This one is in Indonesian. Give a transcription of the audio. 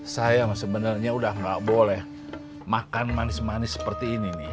saya sebenarnya udah gak boleh makan manis manis seperti ini nih